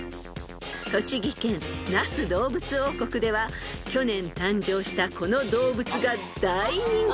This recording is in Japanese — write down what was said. ［栃木県那須どうぶつ王国では去年誕生したこの動物が大人気］